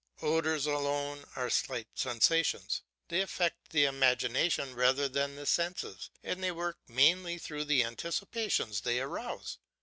Odours alone are slight sensations; they affect the imagination rather than the senses, and they work mainly through the anticipations they arouse.